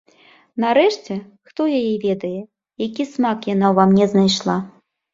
Нарэшце, хто яе ведае, які смак яна ўва мне знайшла.